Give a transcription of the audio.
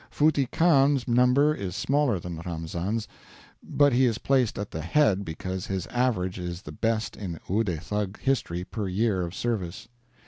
Futty Khan's number is smaller than Ramzam's, but he is placed at the head because his average is the best in Oude Thug history per year of service.